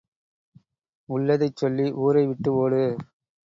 உள்ளதைச் சொல்லி ஊரை விட்டு ஓடு.